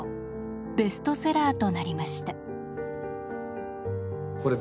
ベストセラーとなりました。